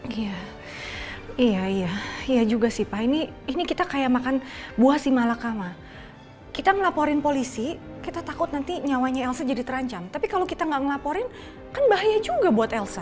hai iya iya iya iya juga sipa ini ini kita kayak makan buah si malakama kita melaporin polisi kita takut nanti nyawanya elsa jadi terancam tapi kalau kita enggak ngelaporin bahaya juga buat elsa